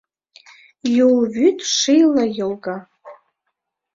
Юл вӱд шийла йолга.